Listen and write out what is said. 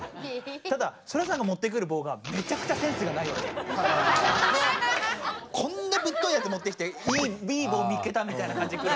ただソラさんがもってくる棒がこんなぶっといやつもってきていい棒見つけたみたいな感じで来るわけ。